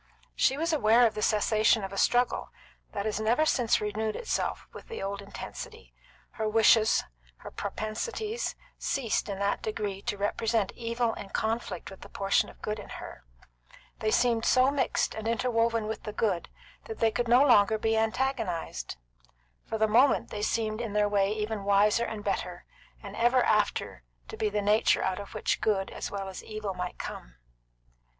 She was aware of the cessation of a struggle that has never since renewed itself with the old intensity; her wishes, her propensities, ceased in that degree to represent evil in conflict with the portion of good in her; they seemed so mixed and interwoven with the good that they could no longer be antagonised; for the moment they seemed in their way even wiser and better, and ever after to be the nature out of which good as well as evil might come.